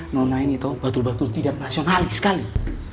nona ini toh batul batul tidak nasionalis sekali